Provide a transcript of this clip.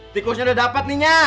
tikusnya udah dapet nih nya